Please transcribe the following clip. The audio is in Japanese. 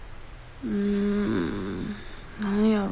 ん何やろ。